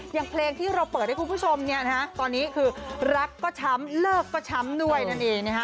อย่างเพลงที่เราเปิดให้คุณผู้ชมเนี่ยนะฮะตอนนี้คือรักก็ช้ำเลิกก็ช้ำด้วยนั่นเองนะฮะ